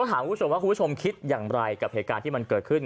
คุณผู้ชมคิดอย่างไรกับเหตุการณ์ที่มันเกิดขึ้น